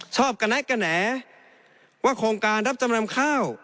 กระแนะกระแหนว่าโครงการรับจำนำข้าว